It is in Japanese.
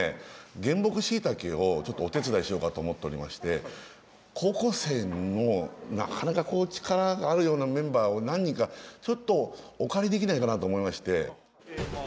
原木しいたけをちょっとお手伝いしようかと思っておりまして高校生のなかなかこう力があるようなメンバーを何人かちょっとお借りできないかなと思いまして。